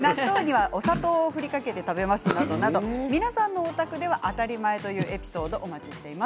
わが家では彼氏ができると必ず家族の面接があるとか納豆にはお砂糖を振りかけて食べますなどなど皆さんのお宅では当たり前というエピソードをお待ちしています。